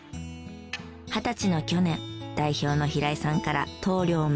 二十歳の去年代表の平井さんから棟梁を任されました。